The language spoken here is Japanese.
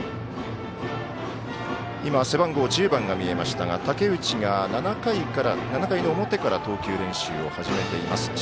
背番号１０番が見えましたが武内が７回の表から投球練習を始めています。